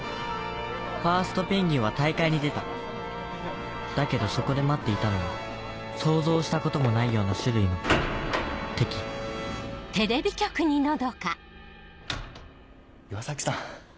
ファーストペンギンは大海に出ただけどそこで待っていたのは想像したこともないような種類の敵岩崎さん。